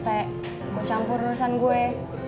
kayak mau campur urusan gue